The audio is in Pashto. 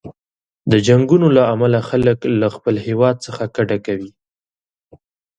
د جنګونو له امله خلک له خپل هیواد څخه کډه کوي.